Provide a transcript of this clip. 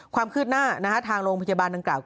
ความขึ้นหน้านะฮะทางโรงพยาบาลดังกล่าว